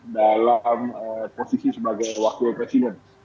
dalam posisi sebagai wakil presiden